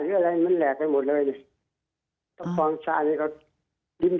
แบบย่าย่่าย่่าหรืออะไรมันแหลกไปหมดเลย